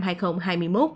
trong vòng sáu ngày